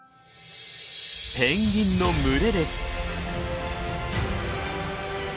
ペンギンの群れです。